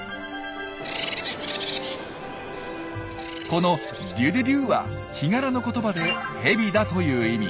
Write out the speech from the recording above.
この「デュデュデュ」はヒガラの言葉で「ヘビだ」という意味。